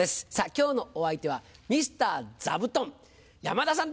今日のお相手はミスター座布団山田さんです。